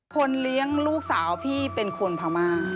คนเลี้ยงลูกสาวพี่เป็นคนพม่า